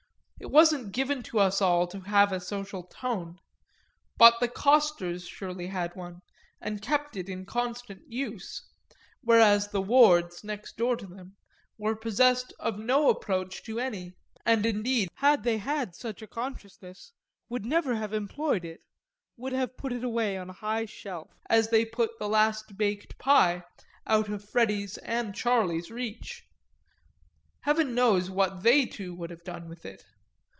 It wasn't given to us all to have a social tone, but the Costers surely had one and kept it in constant use; whereas the Wards, next door to them, were possessed of no approach to any, and indeed had the case been other, had they had such a consciousness, would never have employed it, would have put it away on a high shelf, as they put the last baked pie, out of Freddy's and Charley's reach heaven knows what they two would have done with it.